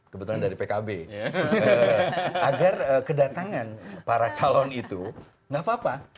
kebetulan dari pkb agar kedatangan para calon itu nggak apa apa